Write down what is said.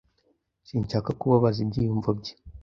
Sinshaka kubabaza ibyiyumvo bye.